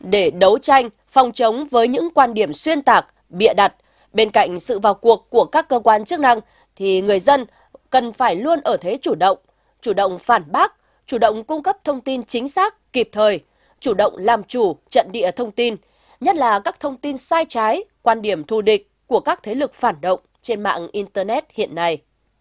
để đấu tranh phòng chống với những quan điểm xuyên tạc bịa đặt bên cạnh sự vào cuộc của các cơ quan chức năng thì người dân cần phải luôn ở thế chủ động chủ động phản bác chủ động cung cấp thông tin chính xác kịp thời chủ động làm chủ trận địa thông tin nhất là các thông tin sai trái quan điểm thù địch của các thế lực phản động trên mạng internet hiện nay